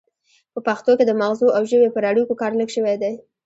په پښتو کې د مغزو او ژبې پر اړیکو کار لږ شوی دی